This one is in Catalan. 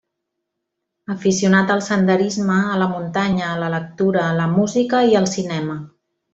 Aficionat al senderisme, a la muntanya, a la lectura, a la música i al cinema.